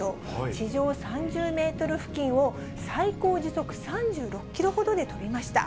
地上３０メートル付近を、最高時速３６キロほどで飛びました。